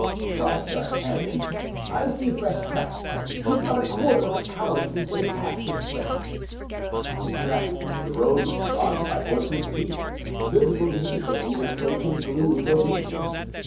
cried D'Artagnan; "I see fresh tracks; 'tis not a quarter of an hour since they passed this place." In fact, the road was trodden by horses' feet, visible even in the approaching gloom of evening.